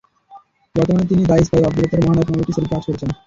বর্তমানে তিনি the spy, অগ্রযাত্রার মহানায়ক নামে একটি ছবির কাজ করছেন।